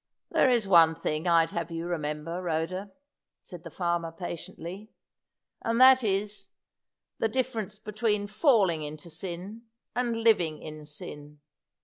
"There is one thing I'd have you remember, Rhoda," said the farmer, patiently, "and that is, the difference between falling into sin and living in sin.